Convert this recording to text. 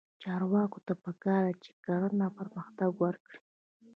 چارواکو ته پکار ده چې، کرنه پرمختګ ورکړي.